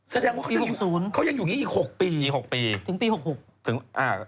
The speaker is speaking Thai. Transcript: ปี๖๐ค่ะเขายังอยู่เนี้ยอีก๖ปีถึงปี๖๖